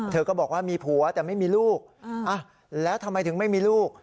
เธอก็บอกว่ามีผัวแต่ไม่มีลูกแล้วทำไมถึงไม่มีลูก